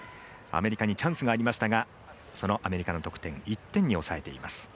アメリカにチャンスがありましたがそのアメリカの得点１点に抑えています。